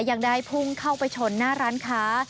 ยังได้พุ่งเข้าไปชนหน้าร้านค้า